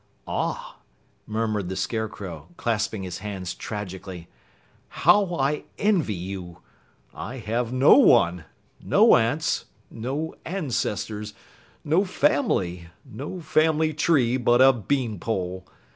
"Ah!" murmured the Scarecrow, clasping his hands tragically, "How I envy you. I have no one no aunts no ancestors no family no family tree but a bean pole.